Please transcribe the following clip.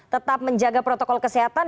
tetap menjaga protokol kesehatan